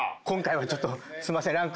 今回はちょっとすみません